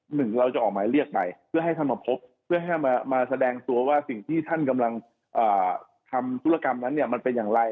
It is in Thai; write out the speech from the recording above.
หนึ่งเราจะออกหมายเรียกไปเพื่อให้ท่านมาพบเพื่อให้มาแสดงตัวว่าสิ่งที่ท่านกำลังทำธุรกรรมนั้นเนี่ยมันเป็นอย่างไร